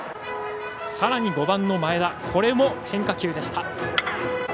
さらに５番の前田これも変化球でした。